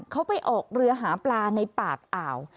เขาไปออกเรือหาปลาในปากอ่าว